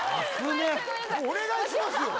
お願いしますよ。